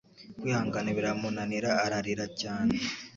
kwihangana biramunanira ararira. cyane